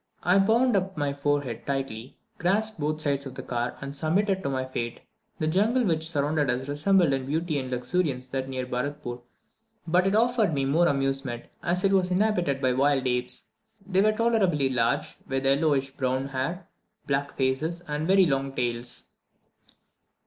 I bound up my forehead tightly, grasped both sides of the car, and submitted to my fate. The jungle which surrounded us resembled in beauty and luxuriance that near Baratpoor but it afforded me more amusement, as it was inhabited by wild apes. They were tolerably large, with yellowish, brown hair, black faces, and very long tails.